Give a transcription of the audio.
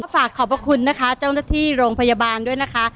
ฝากขอบพระคุณนะคะเจ้าหน้าที่โรงพยาบาลด้วยนะคะ